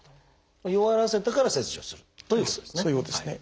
弱らせてから切除するということですね。